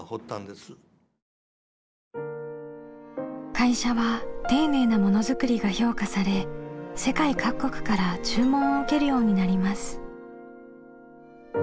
会社は丁寧なものづくりが評価され世界各国から注文を受けるようになります。